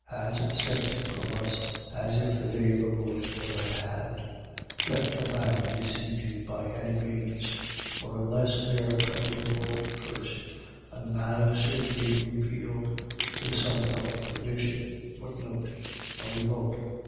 as sent from us, as if the day of the Lord were at hand. 2:3. Let no man deceive you by any means: for unless there come a revolt first, and the man of sin be revealed, the son of perdition A revolt.